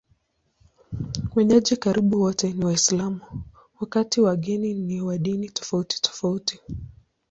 Wenyeji karibu wote ni Waislamu, wakati wageni ni wa dini tofautitofauti.